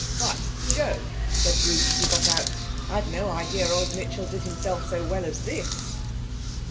'By Jove!' said Bruce, as he got out, 'I'd no idea old Mitchell did himself so well as this.'...